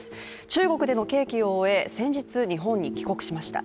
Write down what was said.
中国での刑期を終え、先日、日本に帰国しました。